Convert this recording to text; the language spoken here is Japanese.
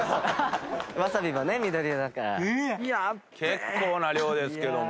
結構な量ですけども。